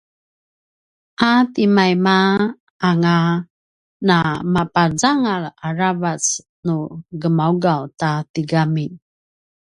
a timaima anga namapuzangal aravac nu gemaugav ta tigami